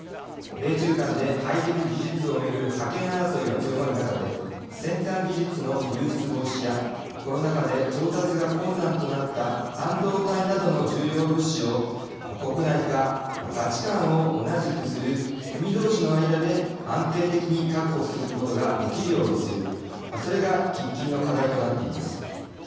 米中間でハイテク技術をめぐる覇権争いが強まる中で先端技術の流出防止やコロナ禍で調達が困難となった半導体などの重要物資を国内か価値観を同じくする国どうしの間で安定的に確保することができるようにするのそれが喫緊の課題となっています。